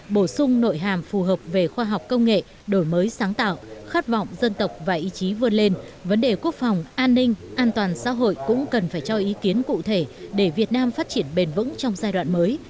bổ sung nội hàm phù hợp về khoa học công nghệ đổi mới sáng tạo khát vọng dân tộc và ý chí vươn lên vấn đề quốc phòng an ninh an toàn xã hội cũng cần phải cho ý kiến cụ thể để việt nam phát triển bền vững trong giai đoạn mới